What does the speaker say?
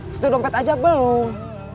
satu dompet aja belum